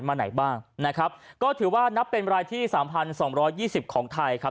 มาไหนบ้างนะครับก็ถือว่านับเป็นไลน์ที่๓๒๒๐ของไทยครับ